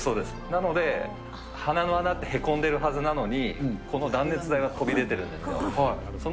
なので、鼻の穴ってへこんでるはずなのに、この断熱材は飛び出てるんですよ。